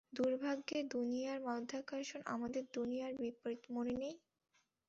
দুর্ভাগ্যের দুনিয়ার মাধ্যাকর্ষণ আমাদের দুনিয়ার বিপরীত, মনে নেই?